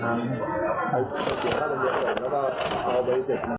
และก็เอาใบเสร็จมา